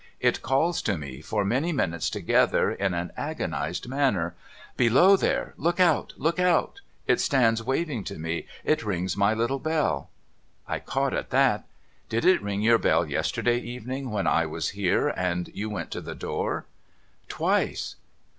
It calls to mc, for many minutes together, in an agonised manner, " Below there ! Look out ! Look out !" It stands waving to me. It rings my little bell ' I caught at that. ' Did it ring your bell yesterday evening when I was here, and you went to the door ?'' Twice.'